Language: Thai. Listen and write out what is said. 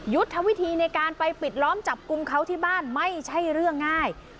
ยุทธวิธีในการไปปิดล้อมจับกลุ่มเขาที่บ้านไม่ใช่เรื่องง่าย